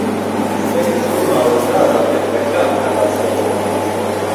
سەری سووڕماوە و نازانێت بە کام ئاراستە بڕوات